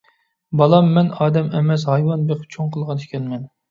بالام، مەن ئادەم ئەمەس ھايۋان بېقىپ چوڭ قىلغان ئىكەنمەن.